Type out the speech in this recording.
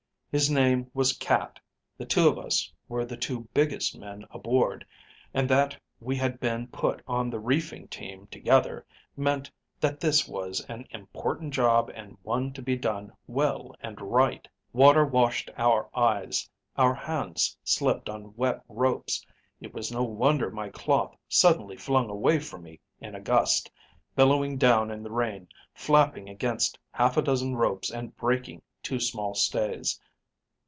His name was Cat. The two of us were the two biggest men aboard, and that we had been put on the reefing team together meant that this was an important job and one to be done well and right. Water washed our eyes, our hands slipped on wet ropes. It was no wonder my cloth suddenly flung away from me in a gust, billowing down in the rain, flapping against half a dozen ropes and breaking two small stays.